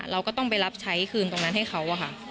เราก็ต้องไปรับใช้คืนตรงนั้นให้เขาอะค่ะ